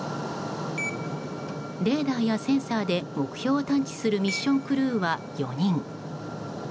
レーダーやセンサーで目標を探知するミッションクルーは４人。